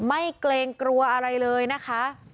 เกรงกลัวอะไรเลยนะคะ